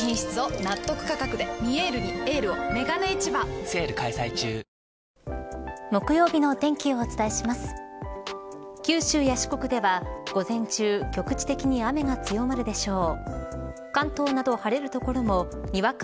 クラフトビール「スプリングバレー」木曜日のお天気をお伝えします九州や四国では午前中局地的に雨が強まるでしょう。